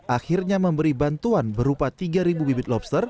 akhirnya memberi bantuan berupa tiga bibit lobster